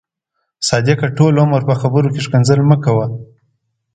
دلته همېش د لوړو ژورو بيرغونه رپېږي.